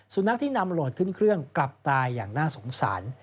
สุนัขที่นำโหลดขึ้นเครื่องกลับตายอย่างน่าสงสาร